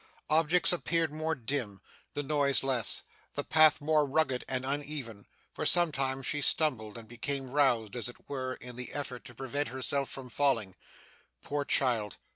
Objects appeared more dim, the noise less, the path more rugged and uneven, for sometimes she stumbled, and became roused, as it were, in the effort to prevent herself from falling. Poor child!